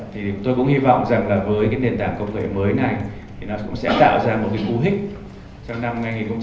thì tôi cũng hy vọng rằng là với cái nền tảng công nghệ mới này thì nó cũng sẽ tạo ra một cái cú hích trong năm hai nghìn hai mươi